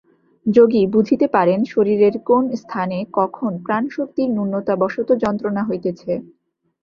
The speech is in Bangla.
যোগী বুঝিতে পারেন, শরীরের কোন স্থানে কখন প্রাণশক্তির ন্যূনতাবশত যন্ত্রণা হইতেছে।